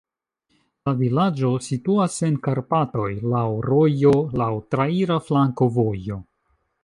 La vilaĝo situas en Karpatoj, laŭ rojo, laŭ traira flankovojo.